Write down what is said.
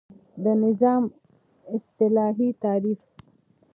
د نظام اصطلاحی تعریف